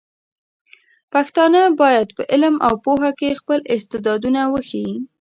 پښتانه بايد په علم او پوهه کې خپل استعدادونه وښيي.